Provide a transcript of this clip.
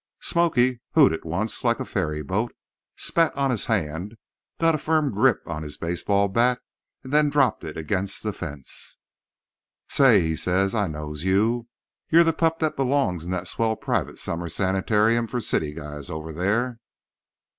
"Smoky" hooted once like a ferry boat, spat on his hand, got a firm grip on his baseball bat and then dropped it against the fence. "Say," said he, "I knows you. You're the pup that belongs in that swell private summer sanitarium for city guys over there.